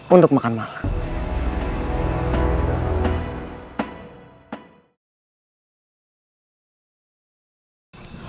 untuk makan malam